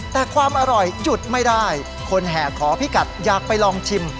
แต่ความอร่อยหยุดไม่ได้คนแห่ขอพิกัดอยากไปลองชิม